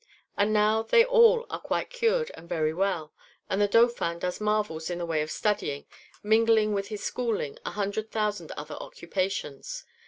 And now they all are quite cured and very well; and the Dauphin does marvels in the way of studying, mingling with his schooling a hundred thousand other occupations.